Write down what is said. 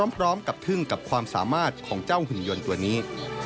พร้อมกับทึ่งกับความสามารถของเจ้าหุ่นยนต์ตัวนี้